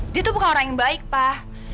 dia tuh bukan orang yang baik pak